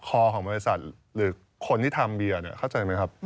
ของบริษัทหรือคนที่ทำเบียร์เข้าใจไหมครับ